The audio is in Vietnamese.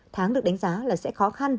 tháng được đánh giá là sẽ khó khăn